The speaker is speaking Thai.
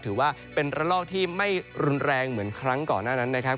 ถือว่าเป็นระลอกที่ไม่รุนแรงเหมือนครั้งก่อนหน้านั้นนะครับ